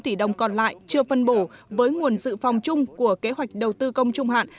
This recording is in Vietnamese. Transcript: bốn sáu mươi chín tỷ đồng còn lại chưa phân bổ với nguồn dự phòng chung của kế hoạch đầu tư công trung hạn